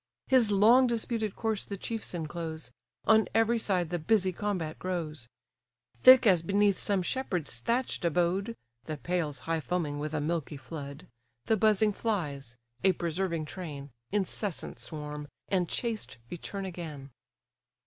His long disputed corse the chiefs enclose, On every side the busy combat grows; Thick as beneath some shepherd's thatch'd abode (The pails high foaming with a milky flood) The buzzing flies, a persevering train, Incessant swarm, and chased return again.